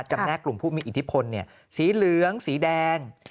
จำได้กลุ่มผู้มีอิทธิพลสีเหลืองสีแดง